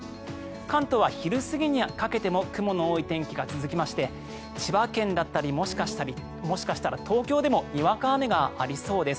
関東は昼過ぎにかけても雲の多い天気が続きまして千葉県だったりもしかしたら東京でもにわか雨がありそうです。